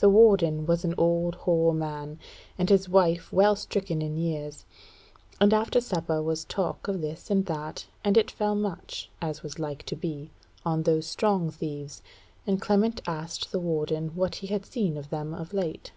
The warden was an old hoar man, and his wife well stricken in years; and after supper was talk of this and that, and it fell much, as was like to be, on those strong thieves, and Clement asked the warden what he had seen of them of late.